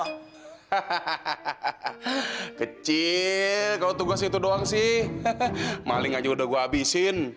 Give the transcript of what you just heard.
hahaha kecil kalau tugas itu doang sih maling aja udah gue habisin